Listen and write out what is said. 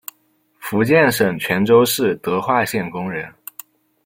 福建省泉州市德化县工人。